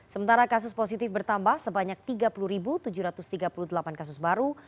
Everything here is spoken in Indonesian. sementara kasus positif bertambah sebanyak tiga puluh tujuh ratus tiga puluh delapan kasus baru